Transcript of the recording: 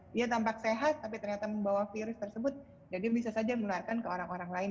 dia tampak sehat tapi ternyata membawa virus tersebut dan dia bisa saja menularkan ke orang orang lain